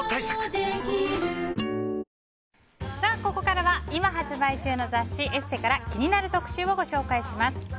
ここからは今発売中の雑誌「ＥＳＳＥ」から気になる特集をご紹介します。